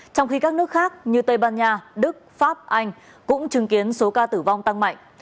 trong khi các nước khác như tây ban nha đức pháp anh cũng chứng kiến số ca tử vong tăng mạnh